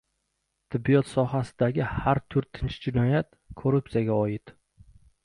Tibbiyot sohasidagi har to‘rtinchi jinoyat — korrupsiyaga oid